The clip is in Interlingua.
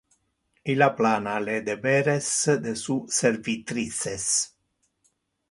Illa plana le deberes de su servitrices.